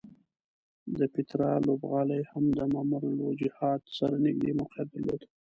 د پیترا لوبغالی هم د ممر الوجحات سره نږدې موقعیت درلود.